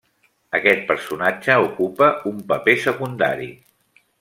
Aquest personatge ocupa un paper secundari.